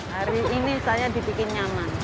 hari ini saya dibikin nyaman